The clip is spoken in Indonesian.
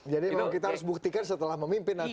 jadi kita harus buktikan setelah memimpin nanti